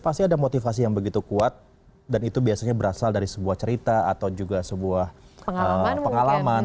pasti ada motivasi yang begitu kuat dan itu biasanya berasal dari sebuah cerita atau juga sebuah pengalaman